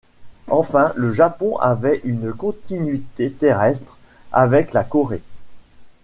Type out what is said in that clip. Enfin le Japon avait une continuité terrestre avec la Corée.